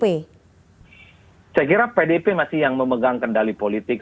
saya kira pdip masih yang memegang kendali politik